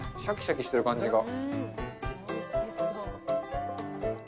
シャキシャキしてる感じが。